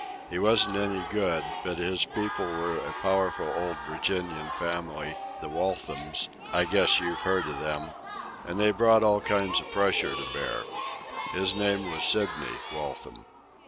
He wasn't any good, but his people were a powerful old Virginian family, the Walthams—I guess you've heard of them—and they brought all kinds of pressure to bear. His name was Sidney Waltham."